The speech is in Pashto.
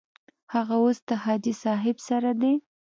هغه اوس د حاجي صاحب سره دی.